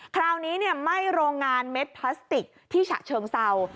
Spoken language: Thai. คราวนี้ไหม้โรงงานเม็ดพลาสติกที่ฉะเชิงเศร้า